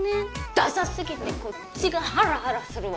ダサすぎてこっちがハラハラするわ！